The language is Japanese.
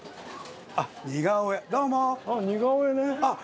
あっ。